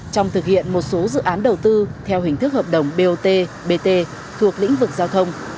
trong thực hiện một số dự án đầu tư theo hình thức hợp đồng bot bt thuộc lĩnh vực giao thông